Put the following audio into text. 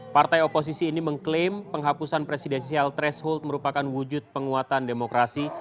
partai oposisi ini mengklaim penghapusan presidensial threshold merupakan wujud penguatan demokrasi